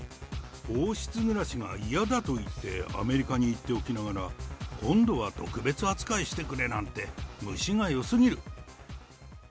王室暮らしが嫌だと言ってアメリカに行っておきながら、今度は特別扱いしてくれなんて、虫がよすぎる。